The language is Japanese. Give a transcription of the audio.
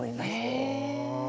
へえ。